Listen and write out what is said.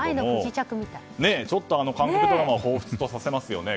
ちょっと韓国ドラマを彷彿とさせますよね。